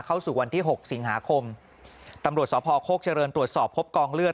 เข้าสู่วันที่หกสิงหาคมตำรวจสพโคกเจริญตรวจสอบพบกองเลือด